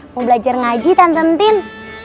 mau belajar ngaji tan ten tin